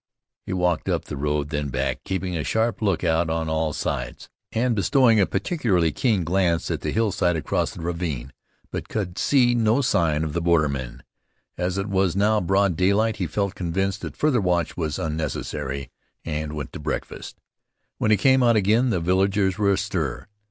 He walked up the road; then back, keeping a sharp lookout on all sides, and bestowing a particularly keen glance at the hillside across the ravine, but could see no sign of the bordermen. As it was now broad daylight he felt convinced that further watch was unnecessary, and went in to breakfast. When he came out again the villagers were astir.